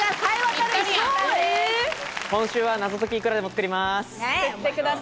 今週は謎解きいくらでも作ります！